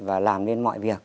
và làm nên mọi việc